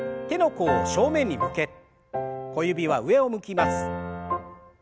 手の甲を正面に向け小指は上を向きます。